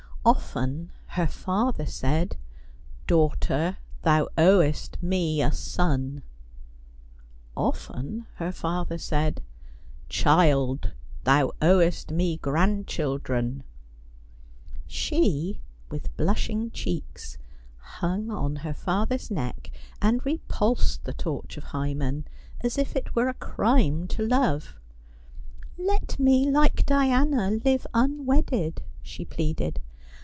Often her father said :" Daughter, thou owest me a son." Often her father said :" Child, thou owest me grandchildren." She, with blushing cheeks, hung on her father's neck, and repulsed the torch of Hymen, as if it were a crime to love. " Let me, like Diana, live unwedded," she pleaded.